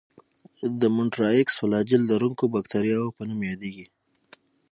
د مونټرایکس فلاجیل لرونکو باکتریاوو په نوم یادیږي.